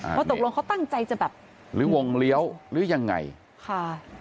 ว่าตกลงเขาตั้งใจจะแบบหรือวงเลี้ยวหรือยังไงค่ะ